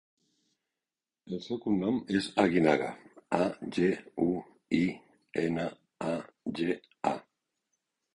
El seu cognom és Aguinaga: a, ge, u, i, ena, a, ge, a.